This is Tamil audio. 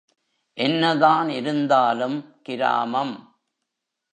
என்னதான் இருந்தாலும் கிராமம்.